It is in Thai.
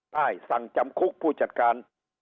สั่งจำคุกผู้จัดการ